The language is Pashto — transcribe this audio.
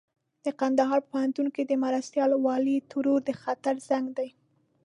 د کندهار په پوهنتون کې د مرستيال والي ترور د خطر زنګ دی.